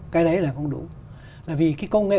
cái đấy là không đúng là vì cái công nghệ